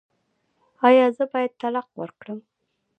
ایا زه باید طلاق ورکړم؟